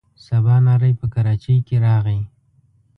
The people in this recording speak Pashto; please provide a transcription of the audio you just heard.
سباناری په کراچۍ کې راغی.